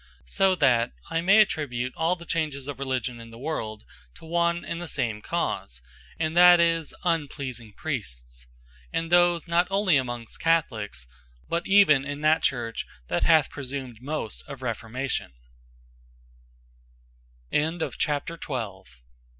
So that I may attribute all the changes of Religion in the world, to one and the some cause; and that is, unpleasing Priests; and those not onely amongst Catholiques, but even in that Church that hath presumed most of Reformatio